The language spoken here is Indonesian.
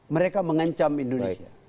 mereka mengancam indonesia